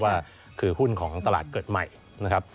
ว่าคือหุ้นของตลาดเกิดใหม่นะครับ